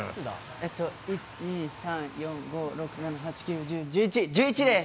えっと、１、２、３、４、５、６、７、８、９、１０、１１です。